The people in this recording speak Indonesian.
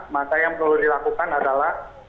maka yang perlu dilakukan adalah